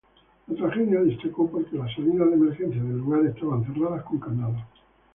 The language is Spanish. La tragedia destacó porque las salidas de emergencias del lugar estaban cerradas con candados.